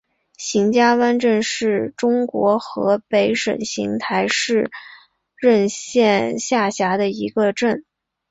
邢家湾镇是中国河北省邢台市任县下辖的一个镇。